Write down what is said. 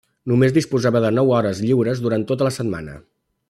Només disposava de nou hores lliures durant tota la setmana.